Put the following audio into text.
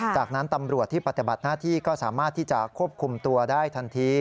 จากนั้นตำรวจที่ปฏิบัติหน้าที่ก็สามารถที่จะควบคุมตัวได้ทันที